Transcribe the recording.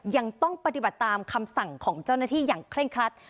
ยังต้องปฏิบัติตามคำสั่งของเจ้าหน้าที่อย่างเคร่งครัด